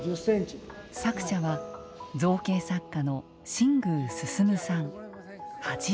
作者は造形作家の新宮晋さん８６歳。